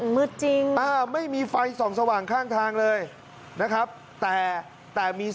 มืดจริงนะครับ